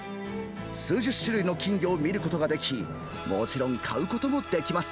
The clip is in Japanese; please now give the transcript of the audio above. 数十種類の金魚を見ることができ、もちろん買うこともできます。